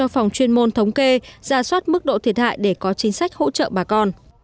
phòng chuyên môn thống kê giả soát mức độ thiệt hại để có chính sách hỗ trợ bà con